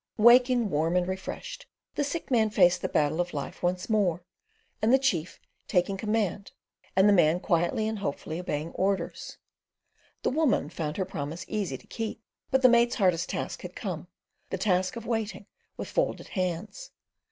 Waking warm and refreshed, the sick man faced the battle of life once more, and the chief taking command, and the man quietly and hopefully obeying orders, the woman found her promise easy to keep; but the mate's hardest task had come, the task of waiting with folded hands.